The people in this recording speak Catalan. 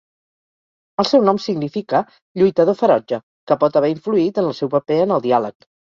El seu nom significa "lluitador ferotge", que pot haver influït en el seu paper en el diàleg.